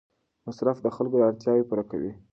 مصرف د خلکو اړتیاوې پوره کوي.